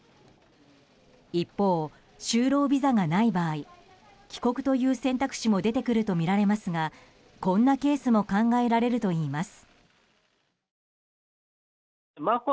一方、就労ビザがない場合帰国という選択肢も出てくるとみられますがこんなケースも考えられるといいます。